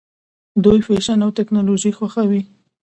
دوی فیشن او ټیکنالوژي خوښوي.